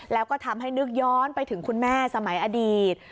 แล้วก็ทำให้นึกย้อนไปถึงคุณแม่สมัยอดีต